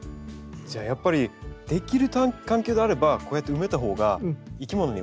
じゃあやっぱりできる環境があればこうやって埋めたほうがいきものには優しい。